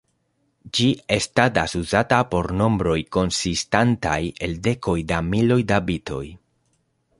Ĝi estadas uzata por nombroj konsistantaj el dekoj da miloj da bitoj.